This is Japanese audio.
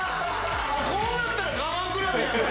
こうなったら我慢比べやから。